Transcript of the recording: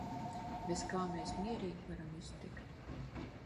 Bez kā mēs mierīgi varam iztikt.